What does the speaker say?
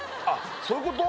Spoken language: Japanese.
そういうこと？